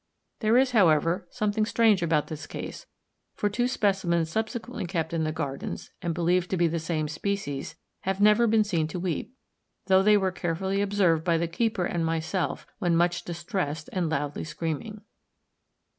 There is, however, something strange about this case, for two specimens subsequently kept in the Gardens, and believed to be the same species, have never been seen to weep, though they were carefully observed by the keeper and myself when much distressed and loudly screaming.